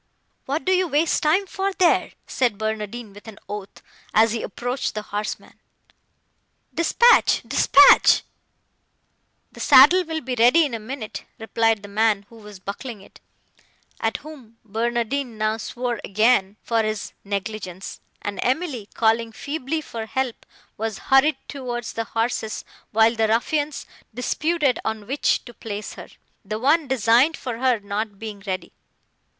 "What do you waste time for, there?" said Barnardine with an oath, as he approached the horsemen. "Dispatch—dispatch!" "The saddle will be ready in a minute," replied the man who was buckling it, at whom Barnardine now swore again, for his negligence, and Emily, calling feebly for help, was hurried towards the horses, while the ruffians disputed on which to place her, the one designed for her not being ready.